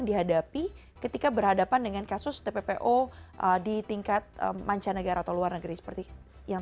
dihadapi ketika berhadapan dengan kasus tppo di tingkat mancanegara atau luar negeri seperti yang